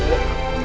mas rody mau sisi